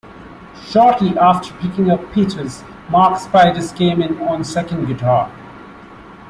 Shortly after picking up Peters, Mark Spiders came in on second guitar.